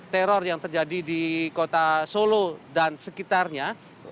teror yang terjadi di kota solo dan sekitarnya